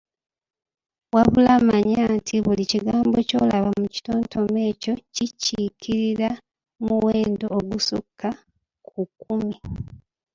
Wabula manya nti buli kigambo ky’olaba mu kitontome ekyo kikiikirira muwendo ogusukka ku kkumi.